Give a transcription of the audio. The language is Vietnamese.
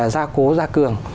gia cố gia cường